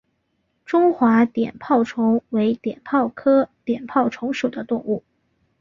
中华碘泡虫为碘泡科碘泡虫属的动物。